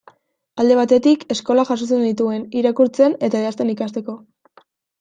Alde batetik, eskolak jasotzen nituen, irakurtzen eta idazten ikasteko.